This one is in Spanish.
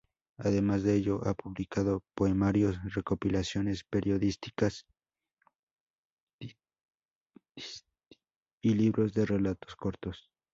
Además de ello ha publicado poemarios, recopilaciones periodísticas y libros de relatos cortos.